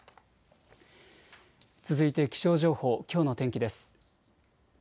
続いて気象情報、きょうの天気です。